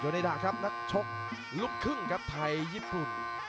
เนดาครับนักชกลูกครึ่งครับไทยญี่ปุ่น